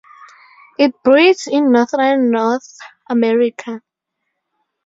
It breeds in northern North America.